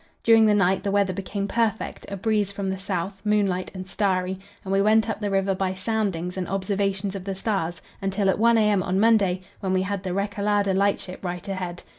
During the night the weather became perfect, a breeze from the south, moonlight and starry, and we went up the river by soundings and observations of the stars until at 1 a.m. on Monday, when we had the Recalada light ship right ahead.